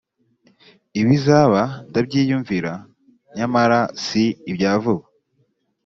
ibizaba ndabyiyumvira, nyamara si ibya vuba.